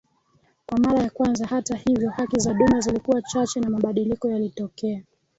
kwa mara ya kwanza Hata hivyo haki za duma zilikuwa chache na mabadiliko yalitokea